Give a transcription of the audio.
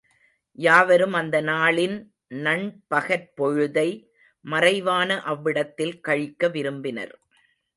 யாவரும் அந்த நாளின் நண்பகற் பொழுதை மறைவான அவ்விடத்தில் கழிக்க விரும்பினர்.